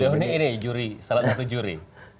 beliau ini nih juri salah satu juri